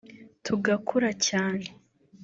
tugakura cyane